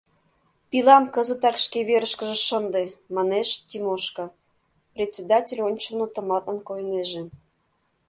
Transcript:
— Пилам кызытак шке верышкыже шынде! — манеш Тимошка, председатель ончылно тыматлын койнеже.